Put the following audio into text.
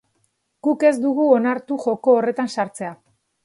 Guk ez dugu onartu joko horretan sartzea.